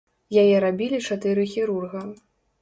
Яе рабілі чатыры хірурга.